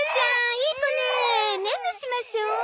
いい子ねえねんねしましょう。